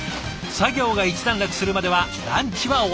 作業が一段落するまではランチはお預け。